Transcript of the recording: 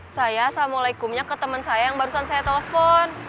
saya assalamualaikumnya ke temen saya yang barusan saya telepon